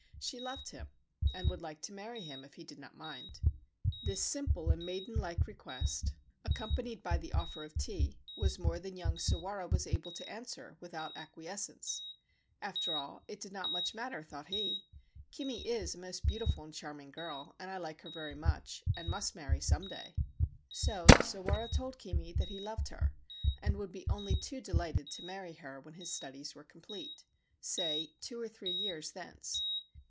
She loved him, and would like to marry him if he did not mind. This simple and maidenlike request, accompanied by 232 O KIMI KILLS HERSELF ON THE ISLAND THE GHOST OF THE ' KAKEMONO ' The Kakemono Ghost of Aki Province the offer of tea, was more than young Sawara was able to answer without acquiescence. After all, it did not much matter, thought he :* Kimi is a most beautiful and charming girl, and I like her very much, and must marry some day/ So Sawara told Kimi that he loved her and would be only too delighted to marry her when his studies were complete — say two or three years thence.